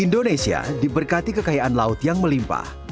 indonesia diberkati kekayaan laut yang melimpah